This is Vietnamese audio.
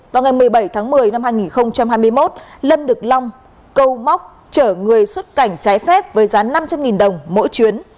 vào ngày một mươi bảy tháng một mươi năm hai nghìn hai mươi một lân được long câu móc chở người xuất cảnh trái phép với giá năm trăm linh đồng mỗi chuyến